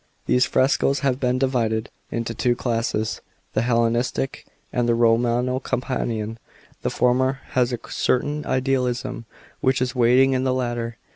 These frescoes have been divided * into two classes : the Hellenistic and the Romano Companion. The former has a certain idealism which is wanting in the latter.